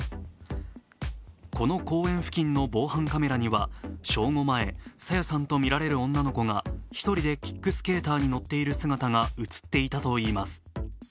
この公園付近の防犯カメラには正午前、朝芽さんとみられる女の子が１人でキックスケーターに乗っている姿が映っていたといいます。